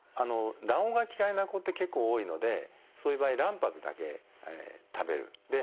卵黄が嫌いな子って結構多いのでそういう場合卵白だけ食べる。